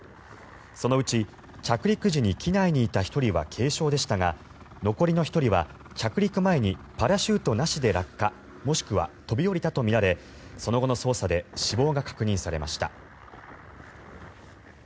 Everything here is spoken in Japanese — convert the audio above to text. そのうち、着陸時に機内にいた１人は軽傷でしたが残りの１人は着陸前にパラシュートなしで落下もしくは飛び降りたとみられその後の捜査で死亡が確認されました。